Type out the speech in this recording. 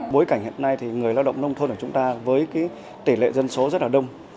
bối cảnh hiện nay thì người lao động nông thôn của chúng ta với cái tỷ lệ dân số rất là đông